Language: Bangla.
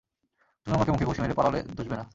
তুমি আমাকে মুখে ঘুষি মেরে পালালে দুষবে না।